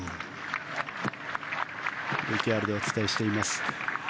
ＶＴＲでお伝えしています。